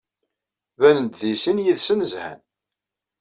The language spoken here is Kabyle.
Banen-d deg sin yid-sen zhan.